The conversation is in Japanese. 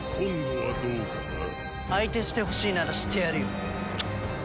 相手してほしいならしてやるよ。